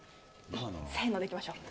せーのでいきましょう。